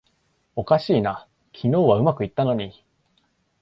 おかしいな、昨日はうまくいったのに